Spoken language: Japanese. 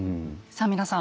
さあ皆さん